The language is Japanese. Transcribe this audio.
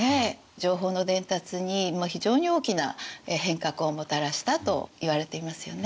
情報の伝達に非常に大きな変革をもたらしたといわれていますよね。